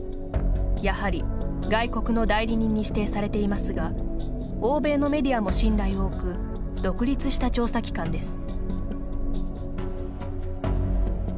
やはり外国の代理人に指定されていますが欧米のメディアも信頼を置く独立した調査機関です。